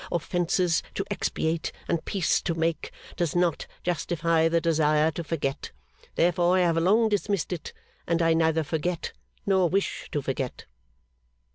offences to expiate and peace to make, does not justify the desire to forget. Therefore I have long dismissed it, and I neither forget nor wish to forget.